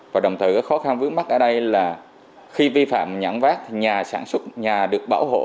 và đồng thời khó khăn vướng mắt ở đây là khi vi phạm nhãn vác thì nhà sản xuất nhà được bảo hộ